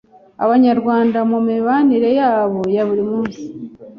Abanyarwanda mu mibanire yabo ya buri munsi